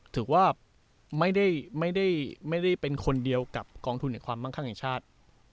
ถือว่าไม่ได้เป็นคนเดียวกับกองทุนในความมั่งข้างแห่งชาติ